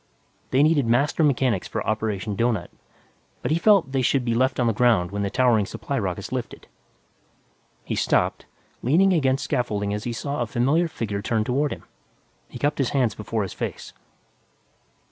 They needed master mechanics for Operation Doughnut, but he felt they should be left on the ground when the towering supply rockets lifted. He stopped, leaning against scaffolding as he saw a familiar figure turn toward him. He cupped his hands before his face.